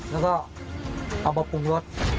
แล้วก็เอามาปรุงรส